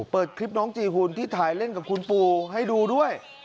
เปิดคลิปน้องจีหุ่นที่ถ่ายเล่นกับคุณปู่ให้ดูด้วย